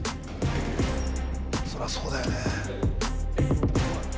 そりゃそうだよね。